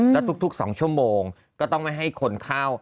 แล้วทุก๒ชั่วโมงก็ต้องไม่ให้คนเข้า